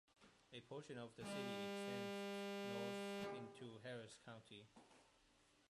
A portion of the city extends north into Harris County.